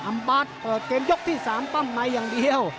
บาทเปิดเกมยกที่๓ปั้มในอย่างเดียว